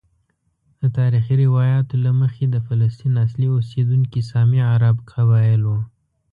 د تاریخي روایاتو له مخې د فلسطین اصلي اوسیدونکي سامي عرب قبائل وو.